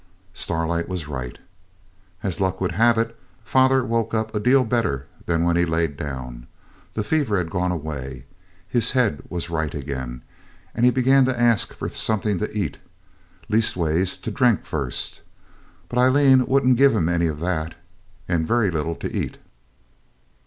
Starlight was right. As luck would have it, father woke up a deal better than when he laid down. The fever had gone away, his head was right again, and he began to ask for something to eat leastways to drink, first. But Aileen wouldn't give him any of that, and very little to eat.